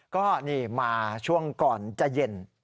ก็นี่มาช่วงก่อนจะเย็น